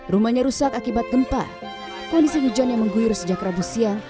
rumahnya rusak akibat gempa kondisi hujan yang mengguyur sejak rabu siang